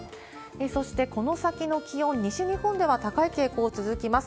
そしてこの先の気温、西日本では高い傾向続きます。